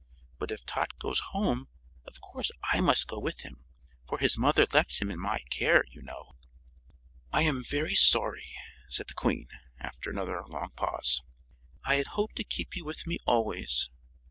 But if Tot goes home of course I must go with him, for his mother left him in my care, you know." "I am very sorry," said the Queen, after another long pause; "I had hoped to keep you with me always.